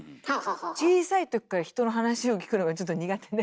小さい時から人の話を聞くのがちょっと苦手で。